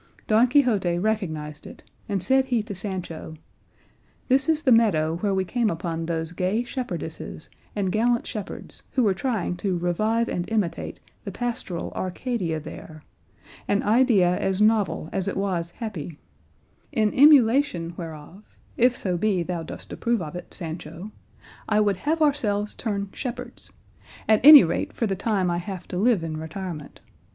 Don Quixote recognised it, and said he to Sancho, "This is the meadow where we came upon those gay shepherdesses and gallant shepherds who were trying to revive and imitate the pastoral Arcadia there, an idea as novel as it was happy, in emulation whereof, if so be thou dost approve of it, Sancho, I would have ourselves turn shepherds, at any rate for the time I have to live in retirement.